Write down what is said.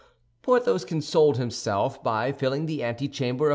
Porthos consoled himself by filling the antechamber of M.